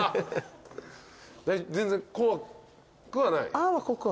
全然怖くはない？